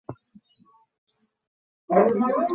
আমি মাকে গিয়ে বললাম, বসার ঘরে বসে আছে লোকটা কে?